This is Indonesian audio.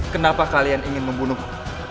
kenapa kalian ingin membunuhku